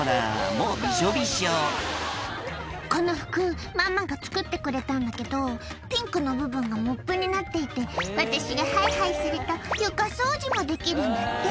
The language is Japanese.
もうびしょびしょ「この服ママが作ってくれたんだけどピンクの部分がモップになっていて私がはいはいすると床掃除もできるんだって」